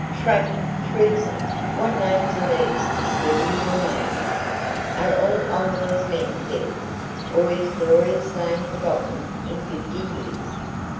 Traitor! treason! what names are these to scare you and me? Are all Oliver's men dead, or his glorious name forgotten in fifty years?